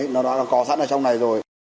nó đã có sẵn ở trong này rồi